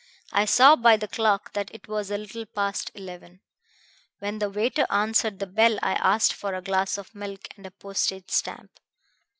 I saw by the clock that it was a little past eleven. When the waiter answered the bell I asked for a glass of milk and a postage stamp.